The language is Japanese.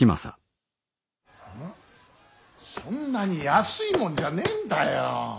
そんなに安いもんじゃねんだよ。